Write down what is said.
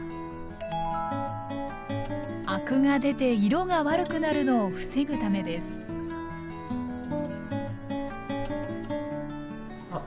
アクが出て色が悪くなるのを防ぐためですあっ